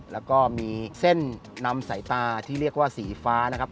แล้วก็มีเส้นนำสายตาที่เรียกว่าสีฟ้านะครับ